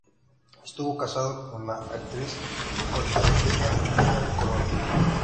Estuvo casado con la actriz Puertorriqueña Miriam Colón.